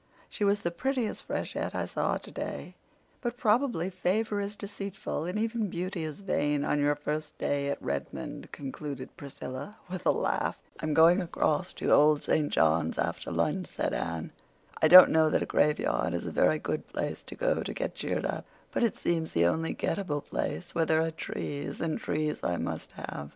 She was the prettiest freshette I saw today, but probably favor is deceitful and even beauty is vain on your first day at Redmond," concluded Priscilla with a laugh. "I'm going across to Old St. John's after lunch," said Anne. "I don't know that a graveyard is a very good place to go to get cheered up, but it seems the only get at able place where there are trees, and trees I must have.